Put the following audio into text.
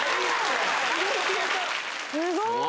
すごい。